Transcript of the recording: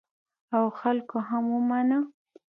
او خلکو هم ومانه.